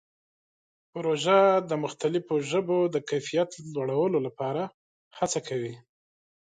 پروژه د مختلفو ژبو د کیفیت لوړولو لپاره هڅه کوي.